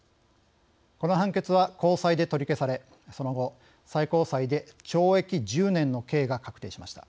この判決は高裁で取り消されその後最高裁で懲役１０年の刑が確定しました。